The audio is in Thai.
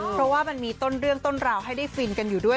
เพราะว่ามันมีต้นเรื่องต้นราวให้ได้ฟินกันอยู่ด้วย